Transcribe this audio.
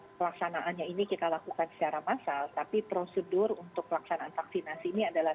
pelaksanaannya ini kita lakukan secara massal tapi prosedur untuk pelaksanaan vaksinasi ini adalah